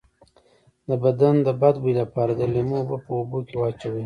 د بدن د بد بوی لپاره د لیمو اوبه په اوبو کې واچوئ